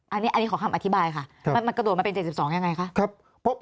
อันนี้ขอคำอธิบายค่ะมันกระโดดมาเป็น๗๒ยังไงคะ